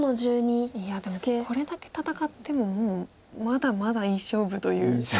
いやでもこれだけ戦ってもまだまだいい勝負という。